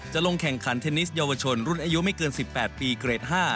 ลงแข่งขันเทนนิสเยาวชนรุ่นอายุไม่เกิน๑๘ปีเกรด๕